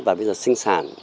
và bây giờ sinh sản